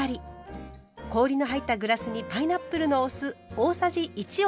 氷の入ったグラスにパイナップルのお酢大さじ１を入れます。